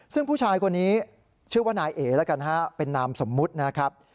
ซึ่งผู้ชายคนนี้ชื่อว่านายเอ๋แล้วกันฮะเป็นนามสมมุตินะครับ